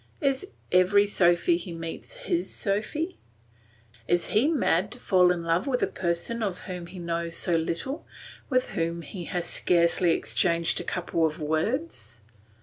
Is every Sophy he meets his Sophy? Is he mad to fall in love with a person of whom he knows so little, with whom he has scarcely exchanged a couple of words?